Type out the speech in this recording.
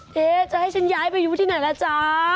เจ๊จะให้ฉันย้ายไปอยู่ที่ไหนล่ะจ๊ะ